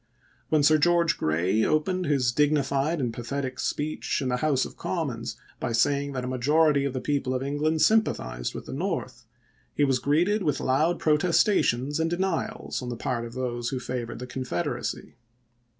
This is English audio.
When Sir George Grey opened his dignified and pathetic speech in the House of Commons, by saying that a majority of the people of England sympathized with the North, he was greeted with loud protestations and denials on the part of those who favored the Confederacy.